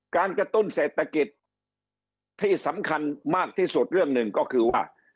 การกระตุ้นเศรษฐกิจที่สำคัญมากที่สุดเรื่องหนึ่งก็คือว่า